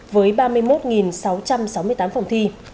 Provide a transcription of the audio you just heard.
với ba mươi một sáu trăm sáu mươi tám phòng thi